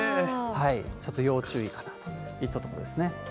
ちょっと要注意かなといったところですね。